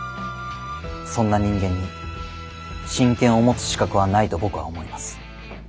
そんな人間に親権を持つ資格はないと僕は思います。